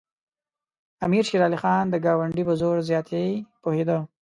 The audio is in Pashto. امیر شېر علي خان د ګاونډي په زور زیاتي پوهېده.